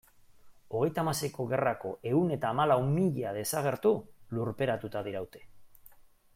Hogeita hamaseiko gerrako ehun eta hamalau mila desagertu lurperatuta diraute.